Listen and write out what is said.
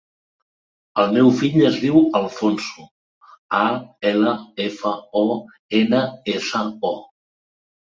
El meu fill es diu Alfonso: a, ela, efa, o, ena, essa, o.